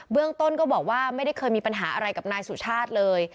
เรื่องต้นก็บอกว่าไม่ได้เคยมีปัญหาอะไรกับนายสุชาติเลย